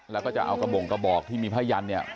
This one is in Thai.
แล้วก็จะเอากระบงกระบอกที่มีพ่ายัน